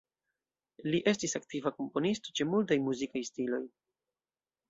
Li estis aktiva komponisto, ĉe multaj muzikaj stiloj.